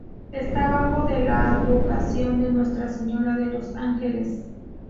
Está bajo la advocación de Nuestra Señora de los Ángeles.